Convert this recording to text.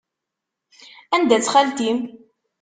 Anda-tt xalti-m?